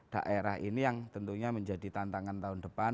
daerah ini yang tentunya menjadi tantangan tahun depan